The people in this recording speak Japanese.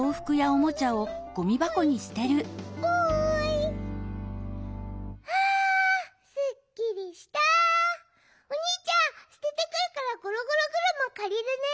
おにいちゃんすててくるからゴロゴロぐるまかりるね。